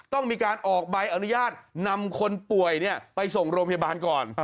ต้องมีการออกใบอนุญาตนำคนป่วยไปส่งโรงพยาบาลก่อน